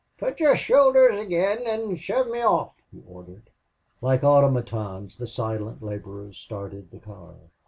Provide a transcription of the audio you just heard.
"Put yer shoulders ag'in' an' shove me off," he ordered. Like automatons the silent laborers started the car.